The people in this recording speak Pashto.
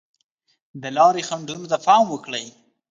د لارې خنډونو ته پام وکړئ.